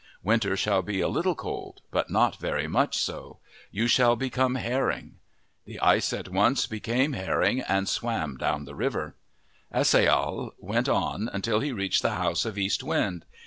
Winter shall be a little cold but not very much so. You shall be come herring." The ice at once became herring and swam down the river. As ai yahal went on until he reached the house of East Wind.